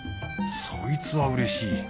そいつはうれしい。